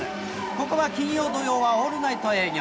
ここは金曜、土曜はオールナイト営業。